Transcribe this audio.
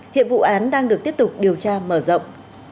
hiện vụ án đang được tiếp tục điều tra mở rộng